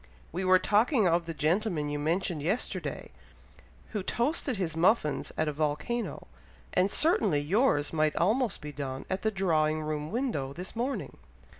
We were talking of the gentleman you mentioned yesterday, who toasted his muffins at a volcano; and certainly yours might almost be done at the drawing room window this morning."